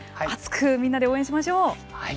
熱くみんなで応援しましょう。